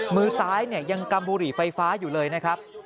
มือซ้ายยังกำบุหรี่ไฟฟ้าอยู่เลยนะครับ